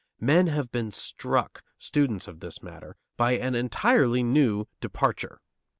Men have been struck, students of this matter, by an entirely new departure.